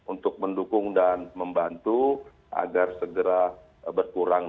untuk mendukung dan membantu agar segera berkurang